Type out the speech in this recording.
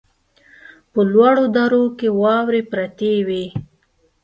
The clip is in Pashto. په لوړو درو کې واورې پرتې وې.